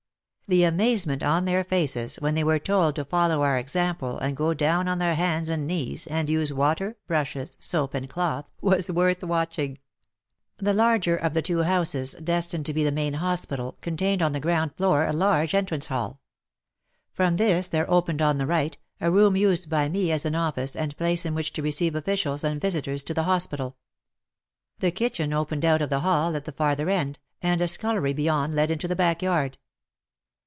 The amazement on their faces when they were told to follow our example and go down on their hands and knees and use water, brushes, soap and cloth, was worth watching. The larger of the two houses, destined to be the main hospital, contained on the ground floor a large entrance hali. From this there opened on the right, a room used by me as WAR AND WOMEN iii an office and place in which to receive officials and visitors to the hospital. The kitchen opened out of the hall at the farther end, and a scullery beyond led into the backyard.